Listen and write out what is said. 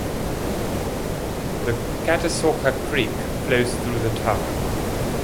The Catasauqua Creek flows through the town.